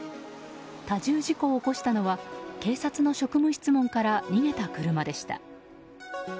多重事故を起こしたのは警察の職務質問から逃げた車でした。